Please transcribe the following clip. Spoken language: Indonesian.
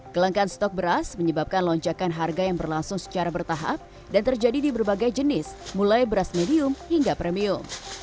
kelangkaan stok beras menyebabkan lonjakan harga yang berlangsung secara bertahap dan terjadi di berbagai jenis mulai beras medium hingga premium